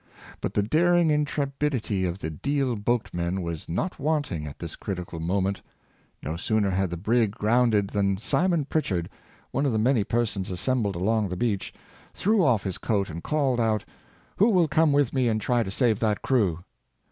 But the daring intrepidity of the Deal boatmen was not wanting at this critical moment. No sooner had the brig grounded than Simon Pritchard, one of the many persons assembled along the beach, threw off his coat and called out, '' Who will come with me and try to save that crew?"